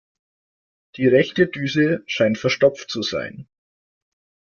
Die rechte Düse scheint verstopft zu sein.